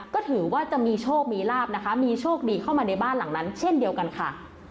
ก็ถือว่าจะมีโชคมีลาบนะคะมีโชคดีเข้ามาในบ้านหลังนั้นเช่นเดียวกันค่ะ